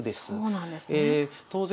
あそうなんですね。